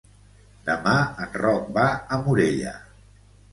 Demà en Roc va a Morella.